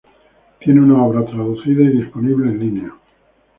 Tiene una obra traducida y disponible en línea.